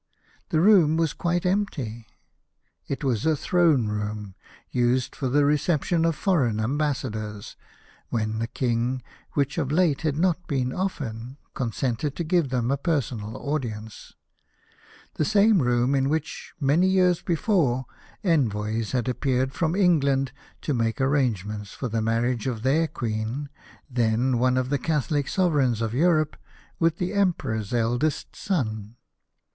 The room was quite empty. It was a throne room, used for the recep tion of foreign ambassadors, when the King, which of late had not been often, consented to give them a personal audience ; the same room in which, many years before, envoys had appeared from England to make arrange ments for the marriage of their Queen, then one of the Catholic sovereigns of Europe, with the Emperor's eldest son.